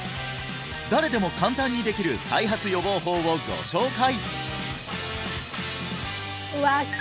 誰でも簡単にできる再発予防法をご紹介！